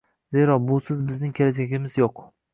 Zero, busiz bizning kelajagimiz yo‘q: